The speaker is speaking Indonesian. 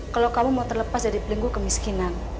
kalau kamu mau terlepas dari pelingkuh kemiskinan